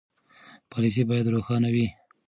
پالیسي باید روښانه وي.